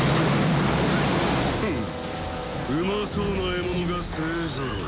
フンッうまそうな獲物が勢ぞろい。